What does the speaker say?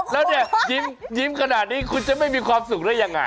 แล้วเนี่ยยิ้มขนาดนี้คุณจะไม่มีความสุขได้ยังไง